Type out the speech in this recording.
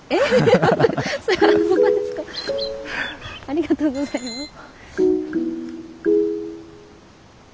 ありがとうございます。